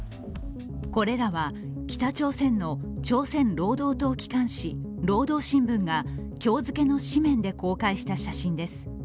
これらは北朝鮮の朝鮮労働党機関紙「労働新聞」が今日付けの紙面で公開した写真です。